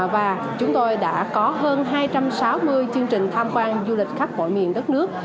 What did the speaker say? và chúng tôi đã có hơn hai trăm sáu mươi chương trình tham quan du lịch khắp mọi miền đất nước